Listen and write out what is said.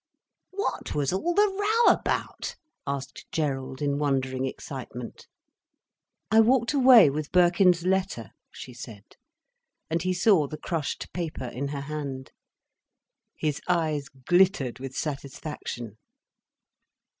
"What was all the row about?" asked Gerald, in wondering excitement. "I walked away with Birkin's letter," she said, and he saw the crushed paper in her hand. His eyes glittered with satisfaction.